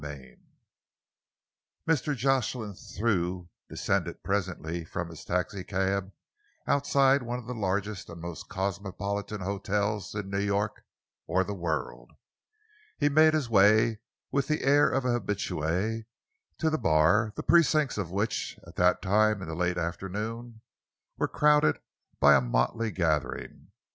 CHAPTER III Mr. Jocelyn Thew descended presently from his taxicab outside one of the largest and most cosmopolitan hotels in New York or the world. He made his way with the air of an habitué to the bar, the precincts of which, at that time in the late afternoon, were crowded by a motley gathering.